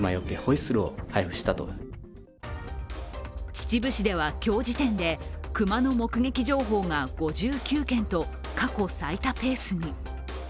秩父市では今日時点で、熊の目撃情報が５９件と過去最多ペースに。